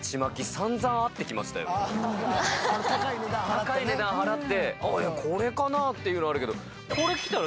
高い値段払ってこれかな？っていうのあるけど。